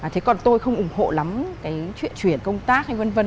thế còn tôi không ủng hộ lắm cái chuyện chuyển công tác hay vân vân